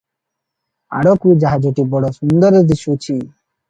ଆଡ଼ିକୁ ଜାହଜଟି ବଡ଼ ସୁନ୍ଦର ଦିଶୁଛି ।